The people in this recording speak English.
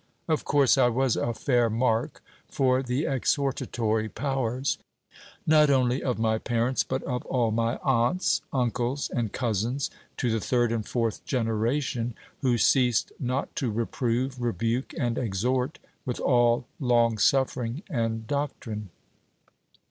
Of course, I was a fair mark for the exhortatory powers, not only of my parents, but of all my aunts, uncles, and cousins, to the third and fourth generation, who ceased not to reprove, rebuke, and exhort with all long suffering and doctrine.